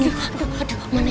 aduh mana ya